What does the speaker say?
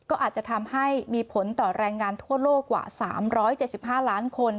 ก็อาจจะทำให้มีผลต่อแรงงานทั่วโลกกว่า๓๗๕ล้านคน